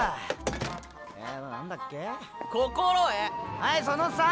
はいその３！